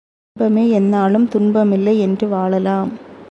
இன்பமே எந்நாளும் துன்பமில்லை என்று வாழலாம்.